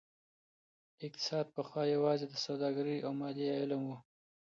اقتصاد پخوا يوازي د سوداګرۍ او ماليې علم و.